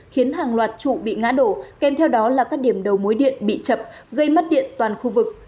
khiến hàng loạt trụ bị ngã đổ kèm theo đó là các điểm đầu mối điện bị chập gây mất điện toàn khu vực